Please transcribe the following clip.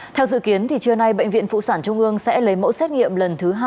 theo dự kiến trưa nay bệnh viện phụ sản trung ương sẽ lấy mẫu xét nghiệm lần thứ hai